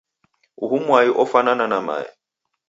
uhu mwai ofwanana na mae.